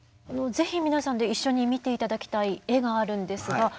是非皆さんで一緒に見て頂きたい絵があるんですが。